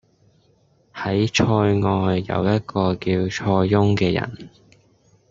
喺塞外有一個叫塞翁嘅人